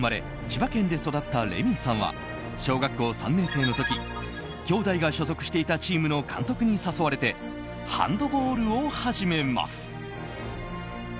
千葉県で育ったレミイさんは小学校３年生の時きょうだいが所属していたチームの監督に誘われてハンドボールを始めます。